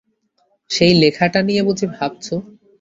সেই লেখাটা নিয়ে বুঝি ভাবছ?